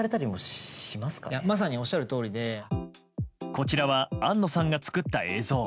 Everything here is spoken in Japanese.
こちらは安野さんが作った映像。